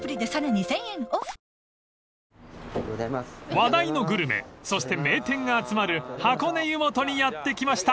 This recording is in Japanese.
［話題のグルメそして名店が集まる箱根湯本にやって来ました］